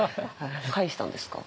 返したんですか？